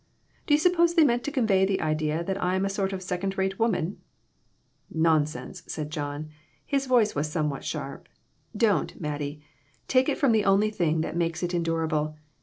Do you suppose they mean to convey the idea that I am a sort of second rate woman ?" "Nonsense!" said John. His voice was some what sharp; "don't, Mattie, take from it the only thing that makes it endurable.